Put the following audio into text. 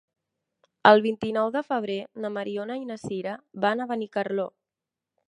El vint-i-nou de febrer na Mariona i na Sira van a Benicarló.